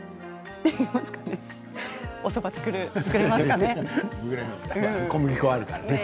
おそば作れますかね。